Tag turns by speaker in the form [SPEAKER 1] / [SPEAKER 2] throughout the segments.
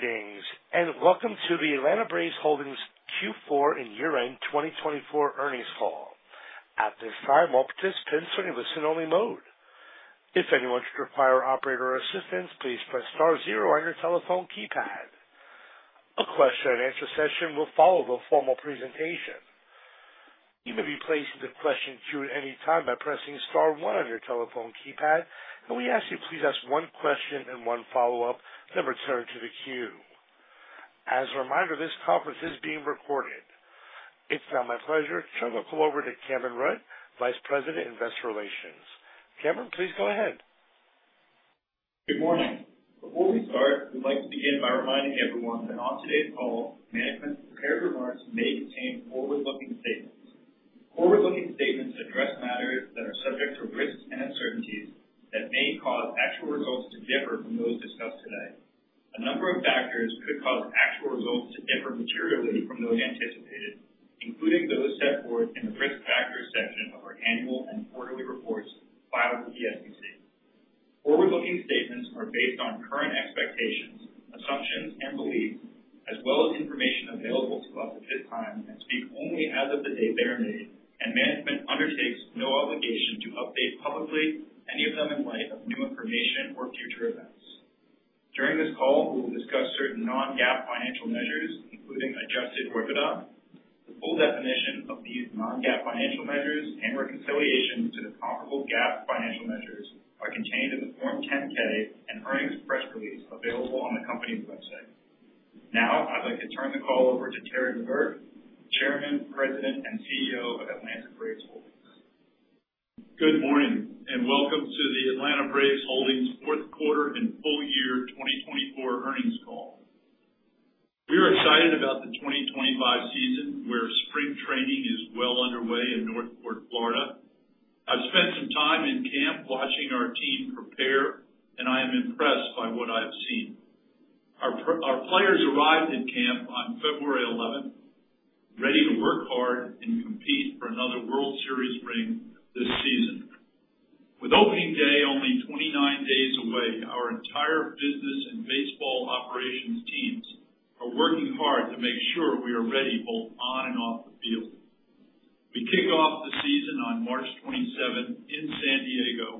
[SPEAKER 1] Greetings, and welcome to the Atlanta Braves Holdings Q4 and Year End 2024 Earnings Call. At this time, all participants are in listen-only mode. If anyone should require operator assistance, please press star zero on your telephone keypad. A question-and-answer session will follow the formal presentation. You may be placed into question queue at any time by pressing star one on your telephone keypad, and we ask that you please ask one question and one follow-up, then return to the queue. As a reminder, this conference is being recorded. It's now my pleasure to turn the call over to Cameron Rudd, Vice President, Investor Relations. Cameron, please go ahead.
[SPEAKER 2] Good morning. Before we start, we'd like to begin by reminding everyone that on today's call, management's prepared remarks may contain forward-looking statements. Forward-looking statements address matters that are subject to risks and uncertainties that may cause actual results to differ from those discussed today. A number of factors could cause actual results to differ materially from those anticipated, including those set forth in the risk factors section of our annual and quarterly reports filed with the SEC. Forward-looking statements are based on current expectations, assumptions, and beliefs, as well as information available to us at this time and speak only as of the date they are made, and management undertakes no obligation to update publicly any of them in light of new information or future events. During this call, we will discuss certain non-GAAP financial measures, including Adjusted OIBDA. The full definition of these non-GAAP financial measures and reconciliations to the comparable GAAP financial measures are contained in the Form 10-K and earnings press release available on the company's website. Now, I'd like to turn the call over to Terry McGuirk, Chairman, President, and CEO of Atlanta Braves Holdings.
[SPEAKER 3] Good morning, and welcome to the Atlanta Braves Holdings fourth quarter and full year 2024 earnings call. We are excited about the 2025 season, where Spring Training is well underway in North Port, Florida. I've spent some time in camp watching our team prepare, and I am impressed by what I've seen. Our players arrived in camp on February 11th, ready to work hard and compete for another World Series ring this season. With Opening Day only 29 days away, our entire business and baseball operations teams are working hard to make sure we are ready both on and off the field. We kick off the season on March 27th in San Diego,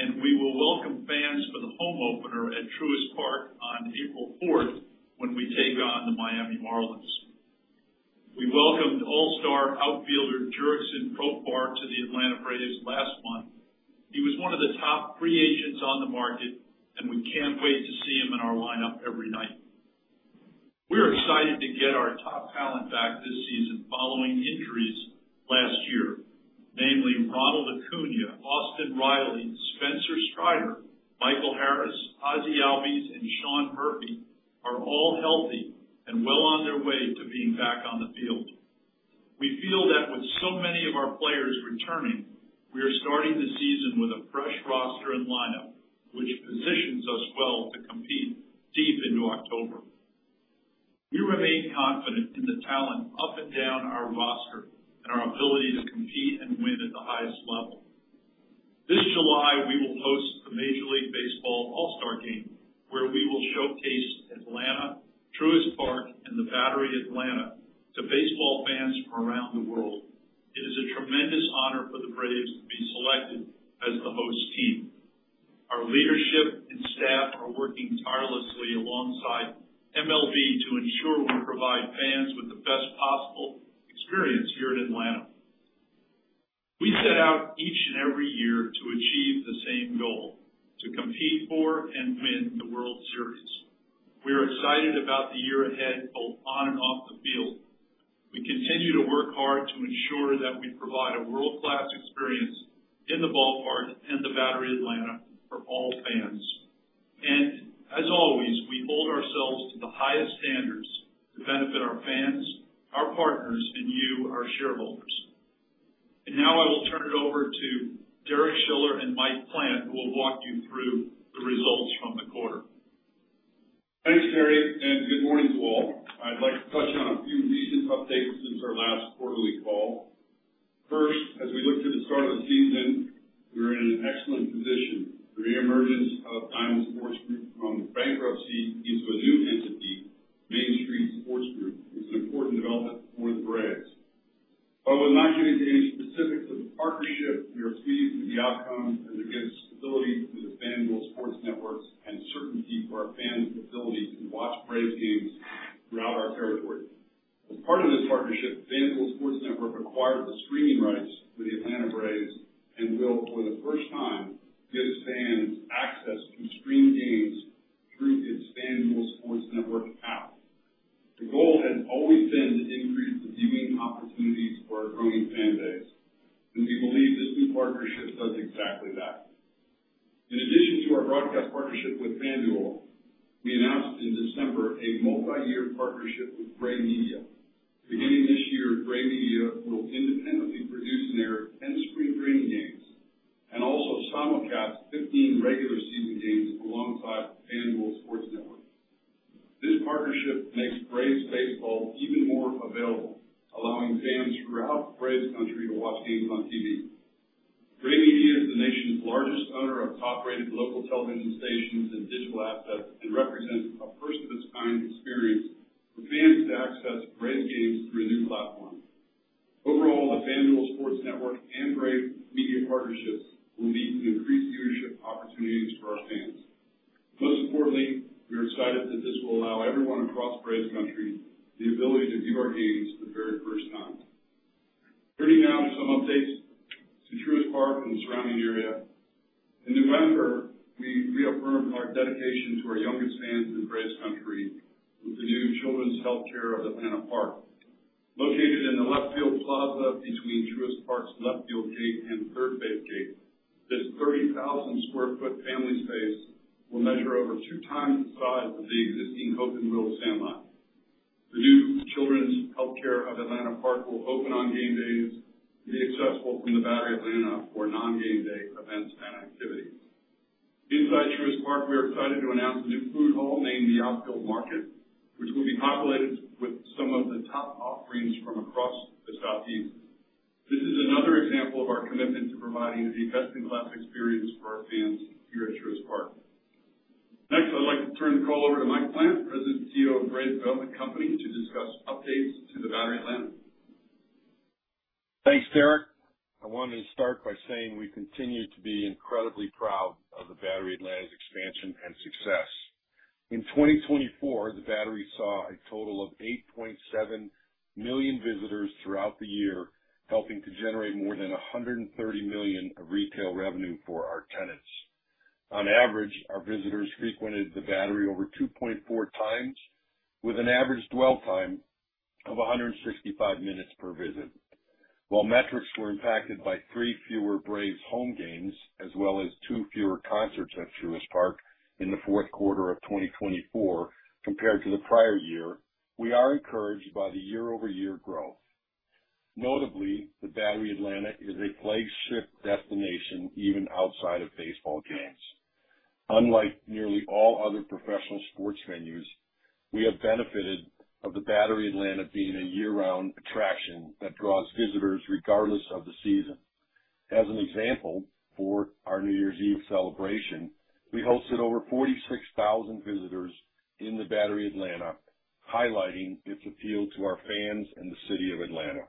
[SPEAKER 3] and we will welcome fans for the home opener at Truist Park on April 4th when we take on the Miami Marlins. We welcomed All-Star outfielder Jurickson Profar to the Atlanta Braves last month. He was one of the top free agents on the market, and we can't wait to see him in our lineup every night. We're excited to get our top talent back this season following injuries last year, namely Ronald Acuña, Austin Riley, Spencer Strider, Michael Harris, Ozzie Albies, and Sean Murphy are all healthy and well on their way to being back on the field. We feel that with so many of our players returning, we are starting the season with a fresh roster and lineup, which positions us well to compete deep into October. We remain confident in the talent up and down our roster and our ability to compete and win at the highest level. This July, we will host the Major League Baseball All-Star Game, where we will showcase Atlanta, Truist Park, and The Battery Atlanta to baseball fans from around the world. It is a tremendous honor for the Braves to be selected as the host team. Our leadership and staff are working tirelessly alongside MLB to ensure we provide fans with the best possible experience here in Atlanta. We set out each and every year to achieve the same goal: to compete for and win the World Series. We are excited about the year ahead both on and off the field. We continue to work hard to ensure that we provide a world-class experience in the ballpark and The Battery Atlanta for all fans. And as always, we hold ourselves to the highest standards to benefit our fans, our partners, and you, our shareholders. Now I will turn it over to Derek Schiller and Mike Plant, who will walk you through the results from the quarter.
[SPEAKER 4] Thanks, Terry, and good morning to all. I'd like to touch on a few recent updates since our last quarterly call. First, as we look to the start of the season, we're in an excellent position. The reemergence of Diamond Sports Group from bankruptcy into a new entity, Main Street Sports Group, is an important development for the Braves. While I will not get into any specifics of the partnership, we are pleased with the outcome as it gives stability to we are excited that this will allow everyone across Braves Country the ability to view our games for the very first time. Turning now to some updates to Truist Park and the surrounding area. In November, we reaffirmed our dedication to our youngest fans in Braves Country with the new Children's Healthcare of Atlanta Park. Located in the left field plaza between Truist Park's Left Field Gate and Third Base Gate, this 30,000 sq ft family space will measure over two times the size of the existing Hope & Will’s Sandlot. The new Children's Healthcare of Atlanta Park will open on game days and be accessible from The Battery Atlanta for non-game day events and activities. Inside Truist Park, we are excited to announce a new food hall named the Outfield Market, which will be populated with some of the top offerings from across the Southeast. This is another example of our commitment to providing a best-in-class experience for our fans here at Truist Park. Next, I'd like to turn the call over to Mike Plant, President and CEO of Braves Development Company, to discuss updates to The Battery Atlanta.
[SPEAKER 5] Thanks, Derek. I wanted to start by saying we continue to be incredibly proud of The Battery Atlanta's expansion and success. In 2024, The Battery saw a total of 8.7 million visitors throughout the year, helping to generate more than $130 million of retail revenue for our tenants. On average, our visitors frequented The Battery over 2.4 times, with an average dwell time of 165 minutes per visit. While metrics were impacted by three fewer Braves home games, as well as two fewer concerts at Truist Park in the fourth quarter of 2024 compared to the prior year, we are encouraged by the year-over-year growth. Notably, The Battery Atlanta is a flagship destination even outside of baseball games. Unlike nearly all other professional sports venues, we have benefited of The Battery Atlanta being a year-round attraction that draws visitors regardless of the season. As an example, for our New Year's Eve celebration, we hosted over 46,000 visitors in The Battery Atlanta, highlighting its appeal to our fans and the city of Atlanta.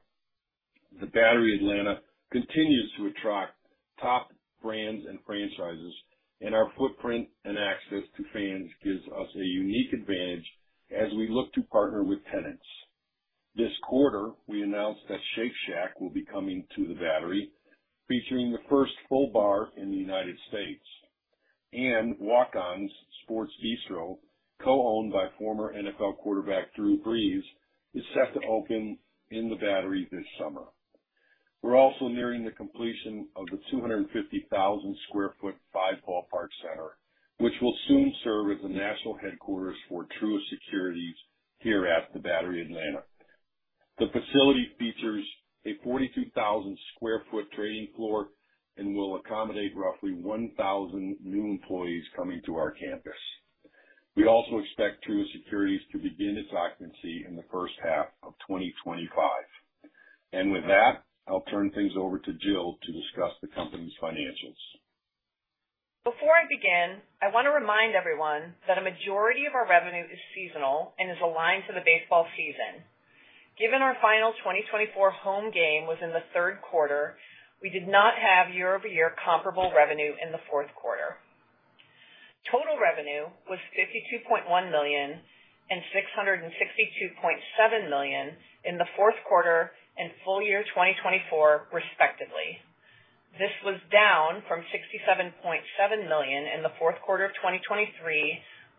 [SPEAKER 5] The Battery Atlanta continues to attract top brands and franchises, and our footprint and access to fans gives us a unique advantage as we look to partner with tenants. This quarter, we announced that Shake Shack will be coming to The Battery Atlanta, featuring the first full bar in the United States. And Walk-On's Sports Bistreaux, co-owned by former NFL quarterback Drew Brees, is set to open in The Battery Atlanta this summer. We're also nearing the completion of the 250,000-sq-ft Five Ballpark Center, which will soon serve as the national headquarters for Truist Securities here at The Battery Atlanta. The facility features a 42,000-sq-ft training floor and will accommodate roughly 1,000 new employees coming to our campus. We also expect Truist Securities to begin its occupancy in the first half of 2025, and with that, I'll turn things over to Jill to discuss the company's financials.
[SPEAKER 6] Before I begin, I want to remind everyone that a majority of our revenue is seasonal and is aligned to the baseball season. Given our final 2024 home game was in the third quarter, we did not have year-over-year comparable revenue in the fourth quarter. Total revenue was $52.1 million and $662.7 million in the fourth quarter and full year 2024, respectively. This was down from $67.7 million in the fourth quarter of 2023,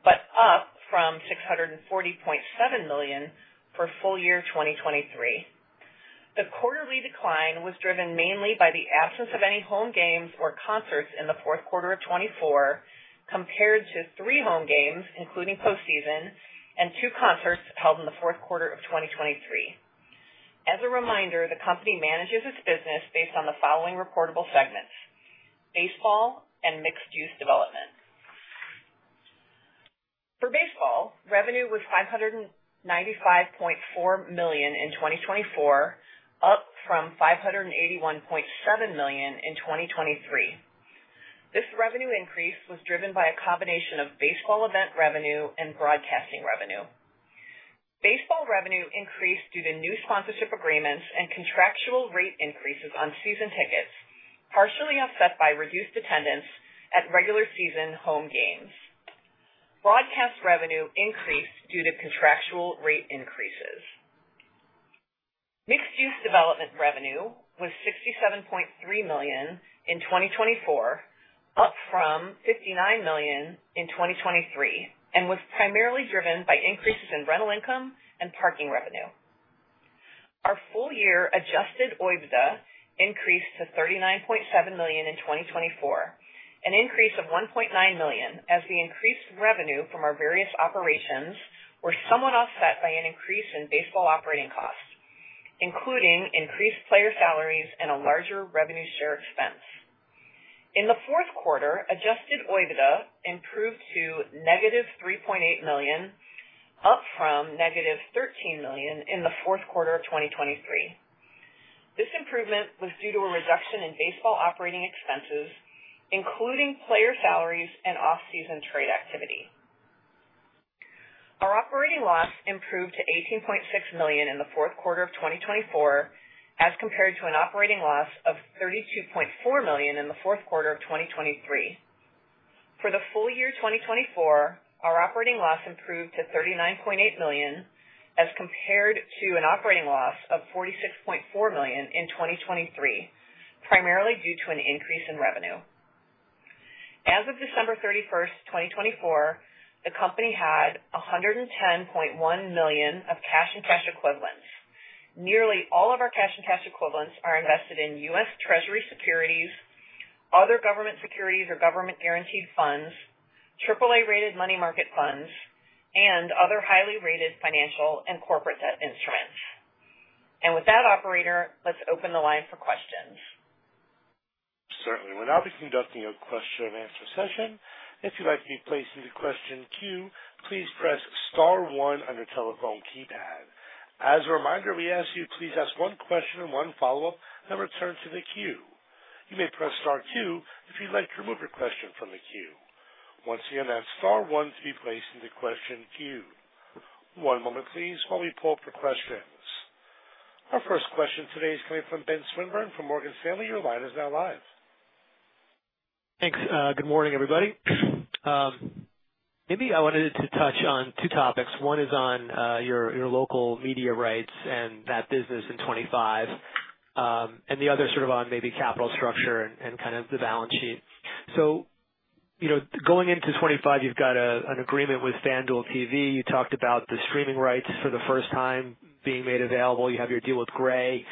[SPEAKER 6] but up from $640.7 million for full year 2023. The quarterly decline was driven mainly by the absence of any home games or concerts in the fourth quarter of 2024, compared to three home games, including postseason, and two concerts held in the fourth quarter of 2023. As a reminder, the company manages its business based on the following reportable segments: baseball and mixed-use development. For baseball, revenue was $595.4 million in 2024, up from $581.7 million in 2023. This revenue increase was driven by a combination of baseball event revenue and broadcasting revenue. Baseball revenue increased due to new sponsorship agreements and contractual rate increases on season tickets, partially offset by reduced attendance at regular season home games. Broadcast revenue increased due to contractual rate increases. Mixed-use development revenue was $67.3 million in 2024, up from $59 million in 2023, and was primarily driven by increases in rental income and parking revenue. Our full-year Adjusted OIBDA increased to $39.7 million in 2024, an increase of $1.9 million, as the increased revenue from our various operations was somewhat offset by an increase in baseball operating costs, including increased player salaries and a larger revenue share expense. In the fourth quarter, Adjusted OIBDA improved to negative $3.8 million, up from negative $13 million in the fourth quarter of 2023. This improvement was due to a reduction in baseball operating expenses, including player salaries and off-season trade activity. Our operating loss improved to $18.6 million in the fourth quarter of 2024, as compared to an operating loss of $32.4 million in the fourth quarter of 2023. For the full year 2024, our operating loss improved to $39.8 million as compared to an operating loss of $46.4 million in 2023, primarily due to an increase in revenue. As of December 31st, 2024, the company had $110.1 million of cash and cash equivalents. Nearly all of our cash and cash equivalents are invested in U.S. Treasury securities, other government securities or government-guaranteed funds, AAA-rated money market funds, and other highly-rated financial and corporate debt instruments. And with that, Operator, let's open the line for questions.
[SPEAKER 1] Certainly. We're now conducting a question-and-answer session. If you'd like to be placed into question queue, please press star one on your telephone keypad. As a reminder, we ask you to please ask one question and one follow-up, then return to the queue. You may press star two if you'd like to remove your question from the queue. Once again, that's star one to be placed into question queue. One moment, please, while we pull up our questions. Our first question today is coming from Ben Swinburne from Morgan Stanley. Your line is now live.
[SPEAKER 7] Thanks. Good morning, everybody. Maybe I wanted to touch on two topics. One is on your local media rights and that business in 2025, and the other sort of on maybe capital structure and kind of the balance sheet, so going into 2025, you've got an agreement with FanDuel TV. You talked about the streaming rights for the first time being made available. You have your deal with Gray.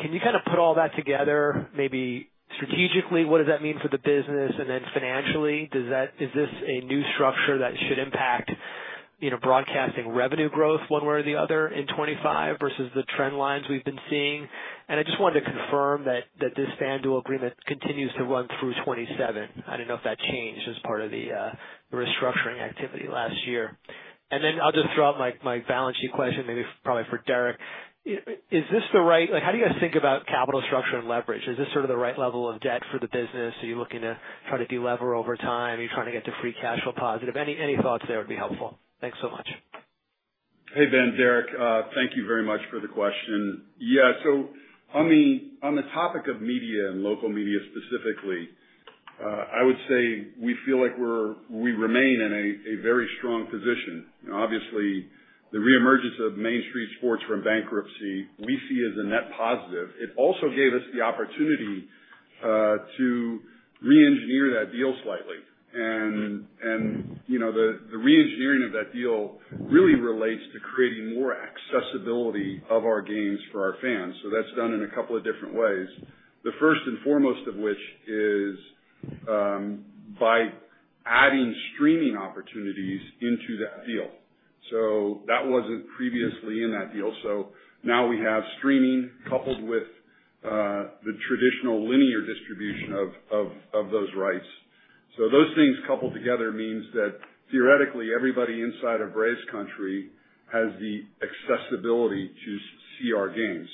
[SPEAKER 7] Can you kind of put all that together, maybe strategically? What does that mean for the business, and then financially, is this a new structure that should impact broadcasting revenue growth one way or the other in 2025 versus the trend lines we've been seeing, and I just wanted to confirm that this FanDuel agreement continues to run through 2027. I don't know if that changed as part of the restructuring activity last year. Then I'll just throw out my balance sheet question, maybe probably for Derek. Is this the right, how do you guys think about capital structure and leverage? Is this sort of the right level of debt for the business? Are you looking to try to delever over time? Are you trying to get to free cash flow positive? Any thoughts there would be helpful. Thanks so much.
[SPEAKER 4] Hey, Ben, Derek, thank you very much for the question. Yeah, so on the topic of media and local media specifically, I would say we feel like we remain in a very strong position. Obviously, the reemergence of Diamond Sports from bankruptcy, we see as a net positive. It also gave us the opportunity to re-engineer that deal slightly. And the re-engineering of that deal really relates to creating more accessibility of our games for our fans. So that's done in a couple of different ways, the first and foremost of which is by adding streaming opportunities into that deal. So that wasn't previously in that deal. So now we have streaming coupled with the traditional linear distribution of those rights. So those things coupled together means that theoretically, everybody inside of Braves Country has the accessibility to see our games.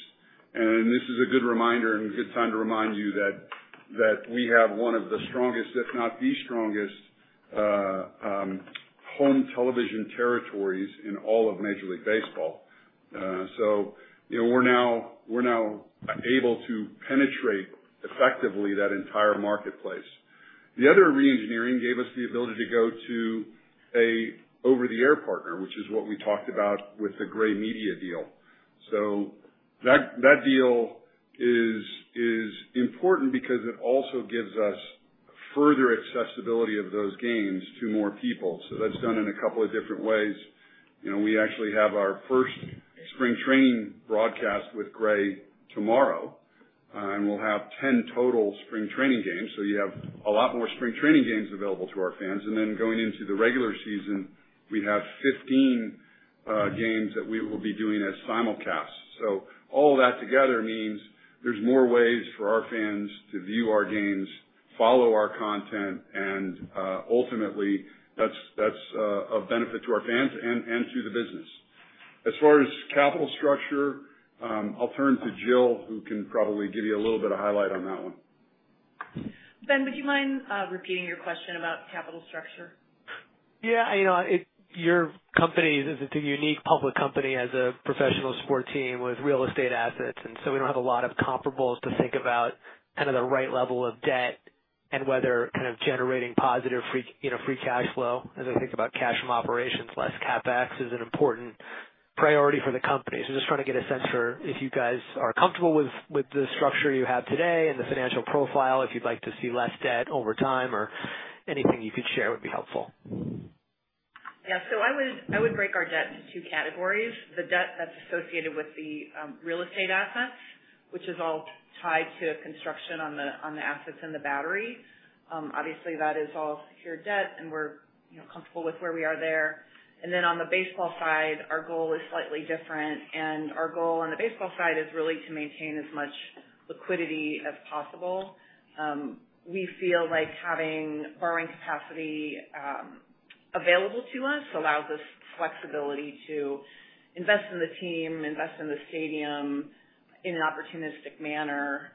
[SPEAKER 4] This is a good reminder and a good time to remind you that we have one of the strongest, if not the strongest, home television territories in all of Major League Baseball. So we're now able to penetrate effectively that entire marketplace. The other re-engineering gave us the ability to go to an over-the-air partner, which is what we talked about with the Gray Media deal. So that deal is important because it also gives us further accessibility of those games to more people. So that's done in a couple of different ways. We actually have our first Spring Training broadcast with Gray tomorrow, and we'll have 10 total Spring Training games. So you have a lot more Spring Training games available to our fans. And then going into the regular season, we have 15 games that we will be doing as simulcasts. So all of that together means there's more ways for our fans to view our games, follow our content, and ultimately, that's a benefit to our fans and to the business. As far as capital structure, I'll turn to Jill, who can probably give you a little bit of highlight on that one.
[SPEAKER 6] Ben, would you mind repeating your question about capital structure?
[SPEAKER 7] Yeah. Your company is a unique public company as a professional sports team with real estate assets, and so we don't have a lot of comparables to think about kind of the right level of debt and whether kind of generating positive free cash flow as we think about cash from operations, less CapEx, is an important priority for the company, so just trying to get a sense for if you guys are comfortable with the structure you have today and the financial profile, if you'd like to see less debt over time or anything you could share would be helpful.
[SPEAKER 6] Yeah. So I would break our debt into two categories. The debt that's associated with the real estate assets, which is all tied to construction on the assets in The Battery. Obviously, that is all secured debt, and we're comfortable with where we are there. And then on the baseball side, our goal is slightly different. And our goal on the baseball side is really to maintain as much liquidity as possible. We feel like having borrowing capacity available to us allows us flexibility to invest in the team, invest in the stadium in an opportunistic manner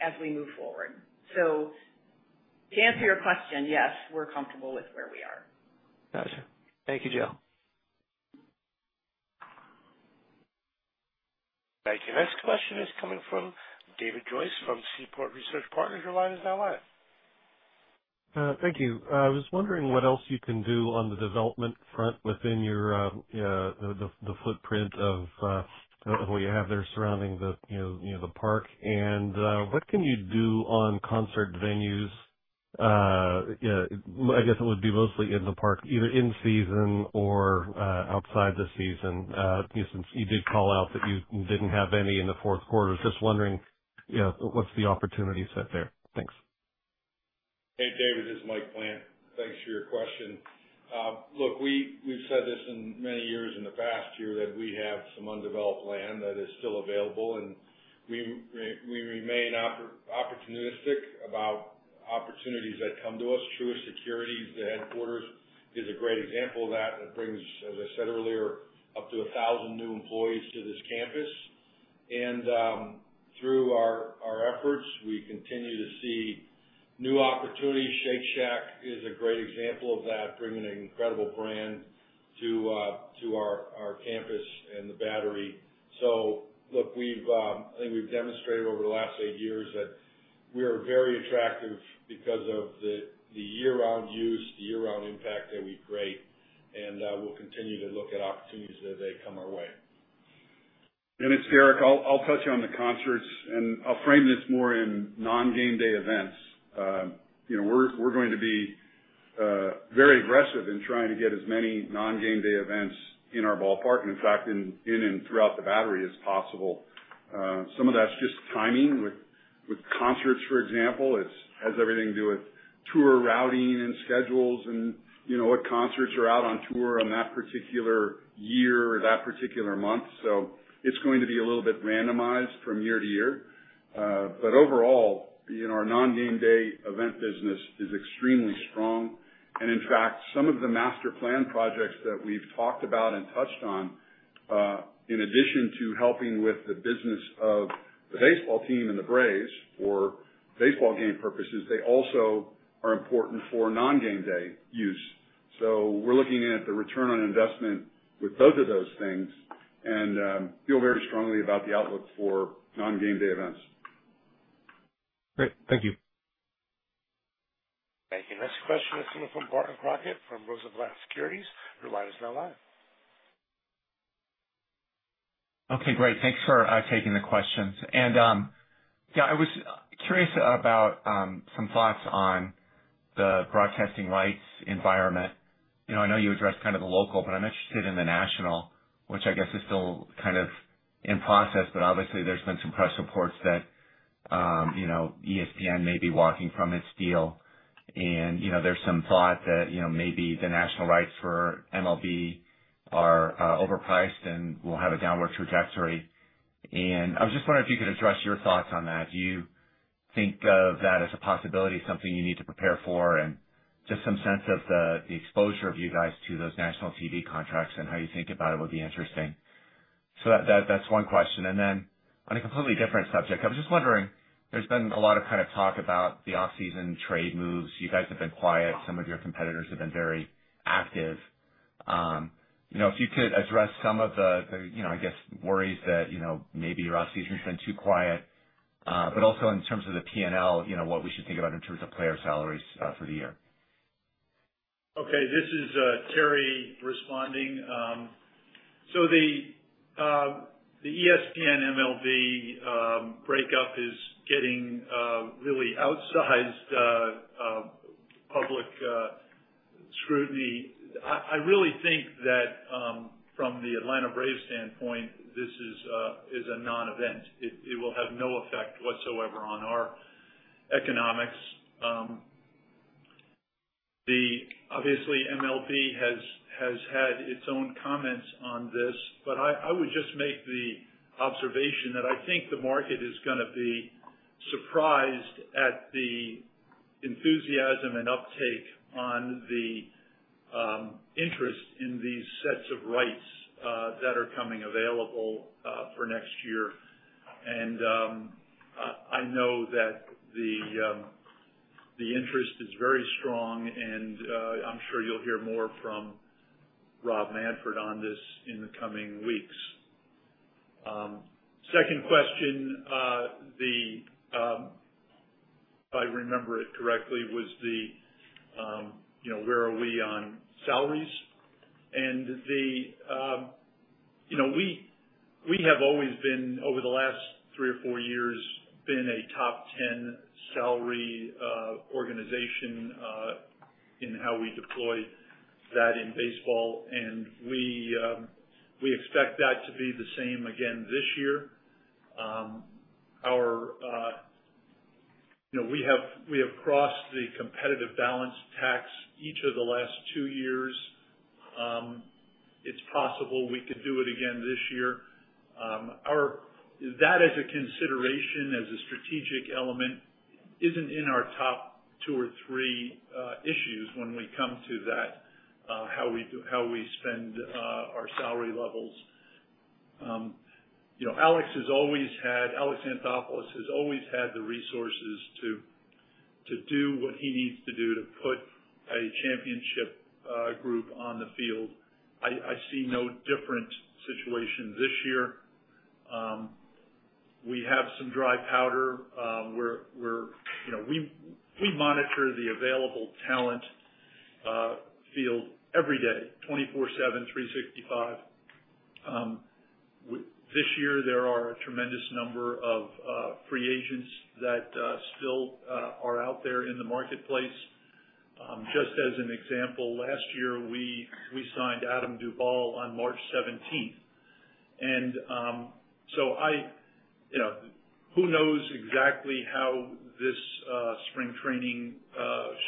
[SPEAKER 6] as we move forward. So to answer your question, yes, we're comfortable with where we are.
[SPEAKER 7] Gotcha. Thank you, Jill.
[SPEAKER 1] Thank you. Next question is coming from David Joyce from Seaport Research Partners. Your line is now live.
[SPEAKER 8] Thank you. I was wondering what else you can do on the development front within the footprint of what you have there surrounding the park. And what can you do on concert venues? I guess it would be mostly in the park, either in season or outside the season. You did call out that you didn't have any in the fourth quarter. Just wondering what's the opportunity set there? Thanks.
[SPEAKER 5] Hey, David, this is Mike Plant. Thanks for your question. Look, we've said this in many years in the past year that we have some undeveloped land that is still available. And we remain opportunistic about opportunities that come to us. Truist Securities, the headquarters, is a great example of that. It brings, as I said earlier, up to 1,000 new employees to this campus. And through our efforts, we continue to see new opportunities. Shake Shack is a great example of that, bringing an incredible brand to our campus and the Battery. So look, I think we've demonstrated over the last eight years that we are very attractive because of the year-round use, the year-round impact that we create. And we'll continue to look at opportunities as they come our way. And it's Derek. I'll touch on the concerts. And I'll frame this more in non-game day events. We're going to be very aggressive in trying to get as many non-game day events in our ballpark and, in fact, in and throughout the Battery as possible. Some of that's just timing with concerts, for example. It has everything to do with tour routing and schedules and what concerts are out on tour on that particular year or that particular month, so it's going to be a little bit randomized from year to year, but overall, our non-game day event business is extremely strong, and in fact, some of the master plan projects that we've talked about and touched on, in addition to helping with the business of the baseball team and the Braves for baseball game purposes, they also are important for non-game day use. So we're looking at the return on investment with both of those things and feel very strongly about the outlook for non-game day events.
[SPEAKER 8] Great. Thank you.
[SPEAKER 1] Thank you. Next question is coming from Barton Crockett from Rosenblatt Securities. Your line is now live.
[SPEAKER 9] Okay, great. Thanks for taking the questions. And yeah, I was curious about some thoughts on the broadcasting rights environment. I know you addressed kind of the local, but I'm interested in the national, which I guess is still kind of in process. But obviously, there's been some press reports that ESPN may be walking from its deal. And there's some thought that maybe the national rights for MLB are overpriced and will have a downward trajectory. And I was just wondering if you could address your thoughts on that. Do you think of that as a possibility, something you need to prepare for, and just some sense of the exposure of you guys to those national TV contracts and how you think about it would be interesting? So that's one question. And then, on a completely different subject, I was just wondering. There's been a lot of kind of talk about the off-season trade moves. You guys have been quiet. Some of your competitors have been very active. If you could address some of the, I guess, worries that maybe your off-season has been too quiet, but also in terms of the P&L, what we should think about in terms of player salaries for the year.
[SPEAKER 5] Okay. This is Terry responding. So the ESPN-MLB breakup is getting really outsized public scrutiny. I really think that from the Atlanta Braves standpoint, this is a non-event. It will have no effect whatsoever on our economics. Obviously, MLB has had its own comments on this, but I would just make the observation that I think the market is going to be surprised at the enthusiasm and uptake on the interest in these sets of rights that are coming available for next year. And I know that the interest is very strong, and I'm sure you'll hear more from Rob Manfred on this in the coming weeks. Second question, if I remember it correctly, was the where are we on salaries? And we have always been, over the last three or four years, been a top 10 salary organization in how we deploy that in baseball. We expect that to be the same again this year. We have crossed the competitive balance tax each of the last two years. It's possible we could do it again this year. That, as a consideration, as a strategic element, isn't in our top two or three issues when we come to that, how we spend our salary levels. Alex has always had, Alex Anthopoulos has always had the resources to do what he needs to do to put a championship group on the field. I see no different situation this year. We have some dry powder. We monitor the available talent field every day, 24/7, 365. This year, there are a tremendous number of free agents that still are out there in the marketplace. Just as an example, last year, we signed Adam Duvall on March 17th. And so who knows exactly how this Spring Training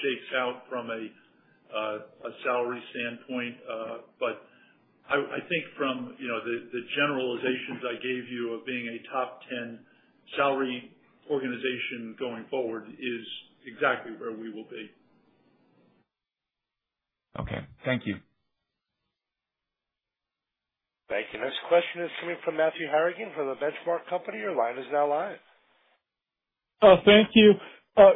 [SPEAKER 5] shakes out from a salary standpoint, but I think from the generalizations I gave you of being a top 10 salary organization going forward is exactly where we will be.
[SPEAKER 9] Okay. Thank you.
[SPEAKER 1] Thank you. Next question is coming from Matthew Harrigan from The Benchmark Company. Your line is now live.
[SPEAKER 10] Thank you.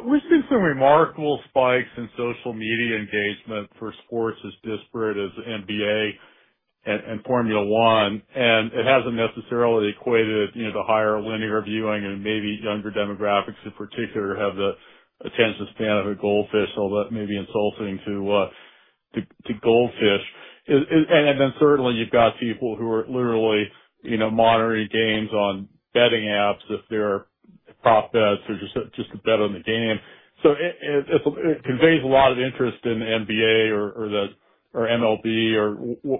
[SPEAKER 10] We've seen some remarkable spikes in social media engagement for sports as disparate as NBA and Formula 1. And it hasn't necessarily equated the higher linear viewing and maybe younger demographics in particular have the attention span of a goldfish, although maybe insulting to goldfish. And then certainly, you've got people who are literally monitoring games on betting apps if they're prop bets or just a bet on the game. So it conveys a lot of interest in the NBA or MLB or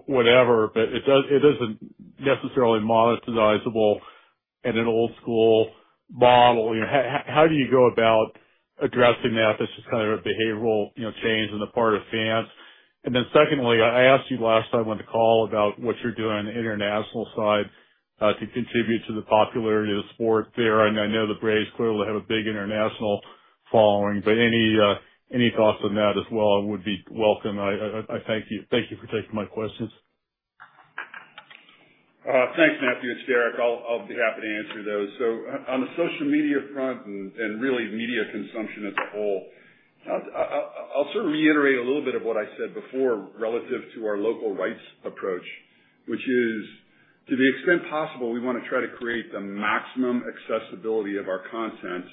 [SPEAKER 10] whatever, but it isn't necessarily monetizable in an old-school model. How do you go about addressing that? That's just kind of a behavioral change on the part of fans. And then secondly, I asked you last time on the call about what you're doing on the international side to contribute to the popularity of the sport there. And I know the Braves clearly have a big international following, but any thoughts on that as well would be welcome. I thank you for taking my questions.
[SPEAKER 4] Thanks, Matthew. It's Derek. I'll be happy to answer those. So on the social media front and really media consumption as a whole, I'll sort of reiterate a little bit of what I said before relative to our local rights approach, which is, to the extent possible, we want to try to create the maximum accessibility of our content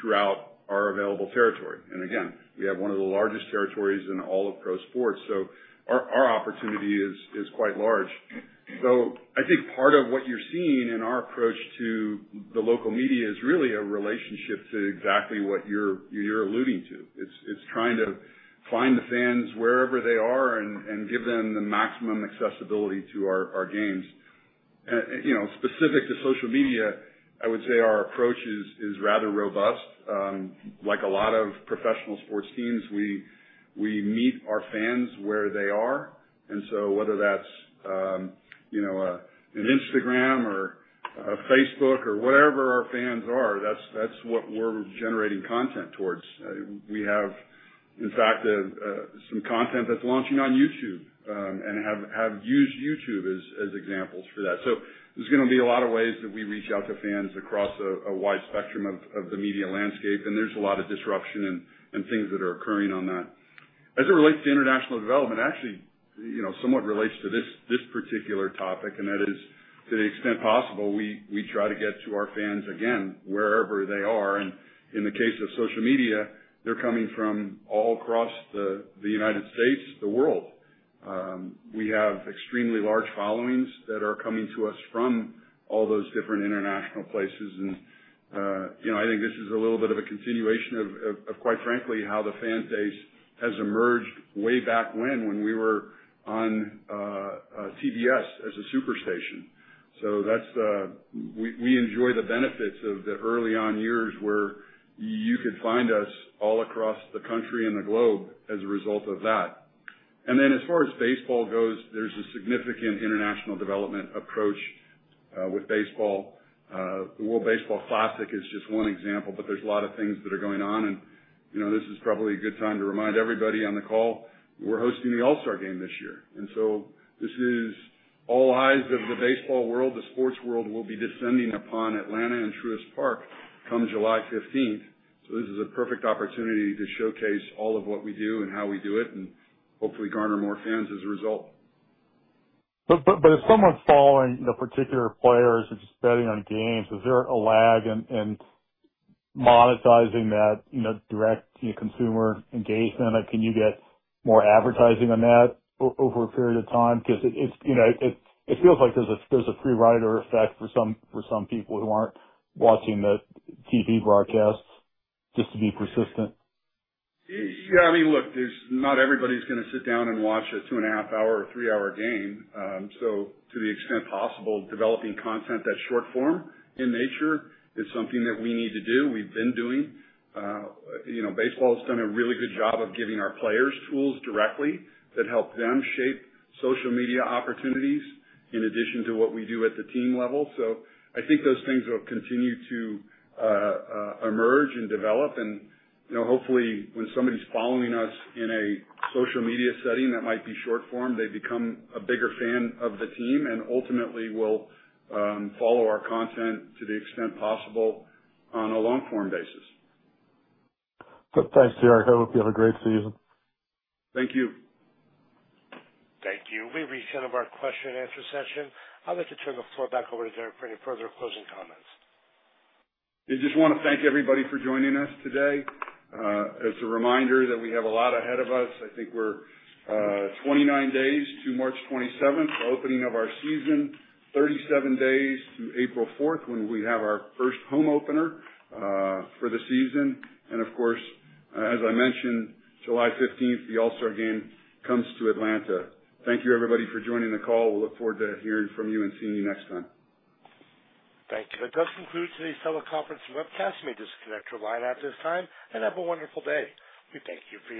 [SPEAKER 4] throughout our available territory. And again, we have one of the largest territories in all of pro sports. So our opportunity is quite large. So I think part of what you're seeing in our approach to the local media is really a relationship to exactly what you're alluding to. It's trying to find the fans wherever they are and give them the maximum accessibility to our games. Specific to social media, I would say our approach is rather robust. Like a lot of professional sports teams, we meet our fans where they are, and so whether that's an Instagram or Facebook or whatever our fans are, that's what we're generating content towards. We have, in fact, some content that's launching on YouTube and have used YouTube as examples for that, so there's going to be a lot of ways that we reach out to fans across a wide spectrum of the media landscape, and there's a lot of disruption and things that are occurring on that. As it relates to international development, actually, somewhat relates to this particular topic, and that is, to the extent possible, we try to get to our fans again wherever they are, and in the case of social media, they're coming from all across the United States, the world. We have extremely large followings that are coming to us from all those different international places. And I think this is a little bit of a continuation of, quite frankly, how the fan base has emerged way back when we were on TBS as a superstation. So we enjoy the benefits of the early on years where you could find us all across the country and the globe as a result of that. And then as far as baseball goes, there's a significant international development approach with baseball. The World Baseball Classic is just one example, but there's a lot of things that are going on. And this is probably a good time to remind everybody on the call. We're hosting the All-Star Game this year. And so this is all eyes on the baseball world. The sports world will be descending upon Atlanta and Truist Park come July 15th. So this is a perfect opportunity to showcase all of what we do and how we do it and hopefully garner more fans as a result.
[SPEAKER 10] But if someone's following particular players and just betting on games, is there a lag in monetizing that direct consumer engagement? Can you get more advertising on that over a period of time? Because it feels like there's a free rider effect for some people who aren't watching the TV broadcasts just to be persistent.
[SPEAKER 4] Yeah. I mean, look, not everybody's going to sit down and watch a two-and-a-half-hour or three-hour game. So to the extent possible, developing content that's short form in nature is something that we need to do. We've been doing. Baseball has done a really good job of giving our players tools directly that help them shape social media opportunities in addition to what we do at the team level. So I think those things will continue to emerge and develop. And hopefully, when somebody's following us in a social media setting that might be short form, they become a bigger fan of the team and ultimately will follow our content to the extent possible on a long-form basis.
[SPEAKER 10] Thanks, Derek. I hope you have a great season.
[SPEAKER 4] Thank you.
[SPEAKER 1] Thank you. We've reached the end of our question and answer session. I'd like to turn the floor back over to Derek for any further closing comments.
[SPEAKER 4] I just want to thank everybody for joining us today. It's a reminder that we have a lot ahead of us. I think we're 29 days to March 27th, the opening of our season, 37 days to April 4th when we have our first home opener for the season, and of course, as I mentioned, July 15th, the All-Star Game comes to Atlanta. Thank you, everybody, for joining the call. We'll look forward to hearing from you and seeing you next time.
[SPEAKER 1] Thank you. That does conclude today's teleconference and webcast. You may disconnect your line at this time, and have a wonderful day. We thank you for.